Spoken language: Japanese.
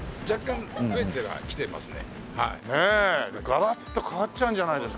ガラッと変わっちゃうんじゃないですか？